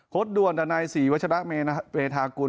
โฆษ์ด่วนดันใน๔วัชลักษณ์เมนาเบทากุล